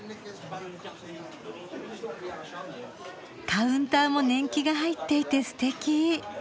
カウンターも年季が入っていてすてき。